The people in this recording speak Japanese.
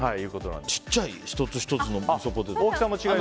ちっちゃい１つ１つのみそポテトが。